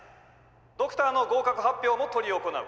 「ドクターの合格発表も執り行う。